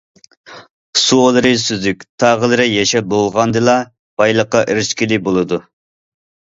سۇلىرى سۈزۈك، تاغلىرى يېشىل بولغاندىلا، بايلىققا ئېرىشكىلى بولىدۇ.